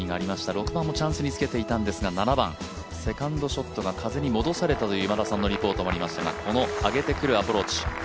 ６番もチャンスにつけていたんですが７番、セカンドショットが風に戻されたという今田さんのリポートもありましたがこの上げてくるアプローチ。